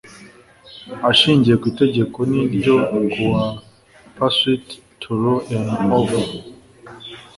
Ashingiye ku Itegeko n ryo kuwa Pursuit to Law n of